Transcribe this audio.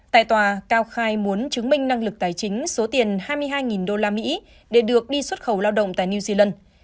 tại tòa cao khai muốn chứng minh năng lực tài chính số tiền hai mươi hai usd để được đi xuất khẩu lao động tại new zealand